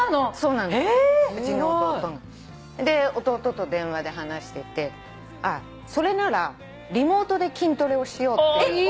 弟と電話で話してて「それならリモートで筋トレをしよう」って。